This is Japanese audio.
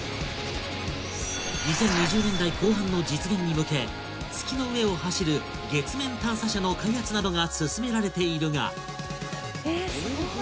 ２０２０年代後半の実現に向け月の上を走る「月面探査車」の開発などが進められているがえすごい！